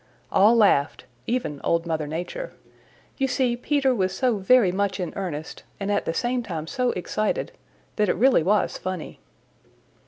All laughed, even Old Mother Nature. You see, Peter was so very much in earnest, and at the same time so excited, that it really was funny.